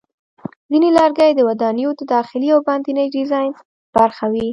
ځینې لرګي د ودانیو د داخلي او باندني ډیزاین برخه وي.